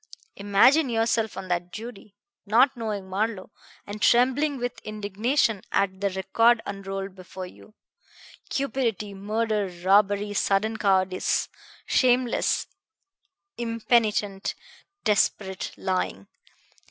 Imagine yourself on that jury, not knowing Marlowe, and trembling with indignation at the record unrolled before you cupidity, murder, robbery, sudden cowardice, shameless, impenitent, desperate lying!